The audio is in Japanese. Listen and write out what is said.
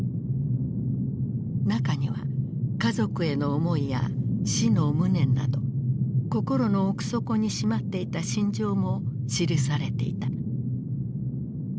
中には家族への思いや死の無念など心の奥底にしまっていた心情も記されていた。